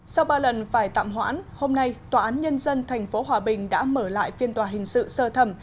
sau ba lần phải tạm hoãn hôm nay tòa án nhân dân tp hòa bình đã mở lại phiên tòa hình sự sơ thẩm